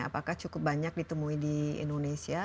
apakah cukup banyak ditemui di indonesia